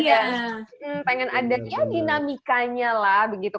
ya pengen ada ya dinamikanya lah begitu